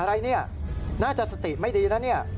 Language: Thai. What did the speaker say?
อะไรเนี่ยน่าจะสติไม่ดีนะเนี่ย